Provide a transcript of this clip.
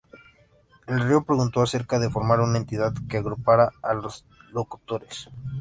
Del Río preguntó acerca de formar una entidad que agrupara a los locutores.